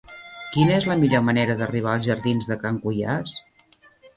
Quina és la millor manera d'arribar als jardins de Can Cuiàs?